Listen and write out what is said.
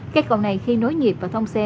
cách còn này khi nối nhịp và thông xe